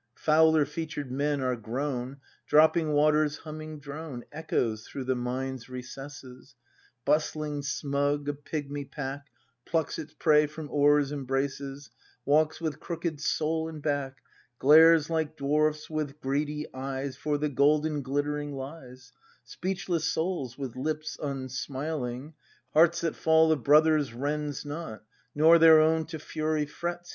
— 288 BRAND [act v Fouler featured men are grown; — Dropping water's humming drone Echoes through the mine's recesses: Busthng, smug, a pigmy pack Plucks its prey from ore's embraces. Walks with crooked soul and back. Glares like dwarfs with greedy eyes For the golden glittering lies; Speechless souls with lips unsmiling, Hearts that fall of brothers rends not, Nor their own to fury frets.